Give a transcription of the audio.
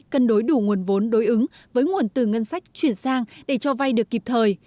cân đối đủ nguồn vốn đối ứng với nguồn từ ngân sách chuyển sang để cho vay được kịp thời